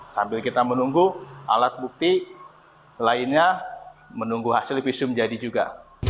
sambil kita menunggu alat bukti lainnya menunggu hasil visum jadi juga